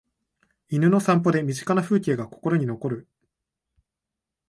犬の散歩で身近な風景が心に残る